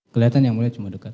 kelihatan yang mulia cuma dekat